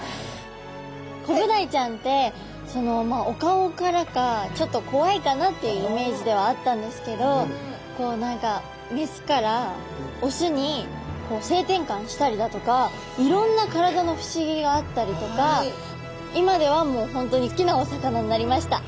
コブダイちゃんってそのまあお顔からかちょっとこわいかなっていうイメージではあったんですけどこう何かメスからオスに性転換したりだとかいろんな体の不思議があったりとか今ではもう本当に好きなお魚になりました。